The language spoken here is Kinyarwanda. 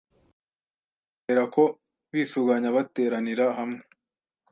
bose bahera ko bisuganya bateranira hamwe